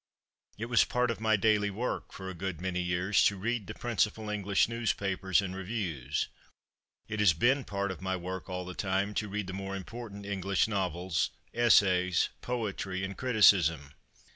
It was part of my daily work, for a good many years, to read the principal English newspapers and reviews; it has been part of my work, all the time, to read the more important English novels, essays, poetry and criticism.